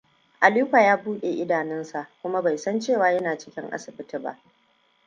Alikoa ya buɗe idanunsa kuma bai san cewa yana cikin asibiti ba.